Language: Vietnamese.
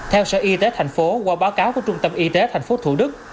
theo sở y tế tp hcm qua báo cáo của trung tâm y tế tp thủ đức